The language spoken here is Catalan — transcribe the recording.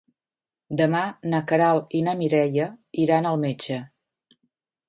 Demà na Queralt i na Mireia iran al metge.